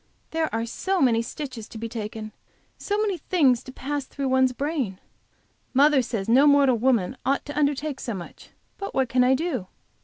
There are so many stitches to be taken, so many things to pass through one's brain! Mother says no mortal woman ought to undertake so much, but what can I do?